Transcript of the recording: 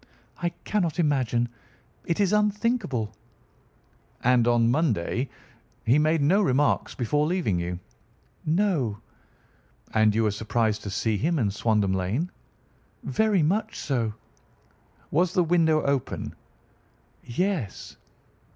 "I cannot imagine. It is unthinkable." "And on Monday he made no remarks before leaving you?" "No." "And you were surprised to see him in Swandam Lane?" "Very much so." "Was the window open?" "Yes."